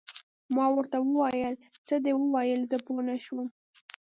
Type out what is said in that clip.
ما ورته وویل: څه دې وویل؟ زه پوه نه شوم.